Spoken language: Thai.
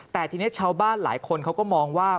แต่ทีนี้ชาวบ้านหลายคนเขาก็มองว่า